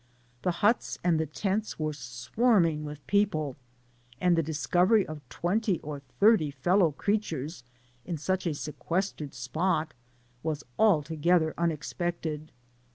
The huts and the tents were swarming with people, and the discovery of twenty or thirty feU low creatures in such a sequestered s])ot was alto^ gether unexpected.